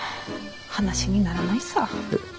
話にならないさ。